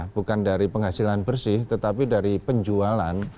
bukan dari penghasilan bersih tetapi dari penjualan